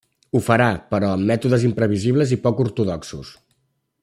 Ho farà però, amb mètodes imprevisibles i poc ortodoxos.